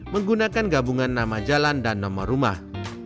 menggunakan gabungan nama jalan dan nomor rumah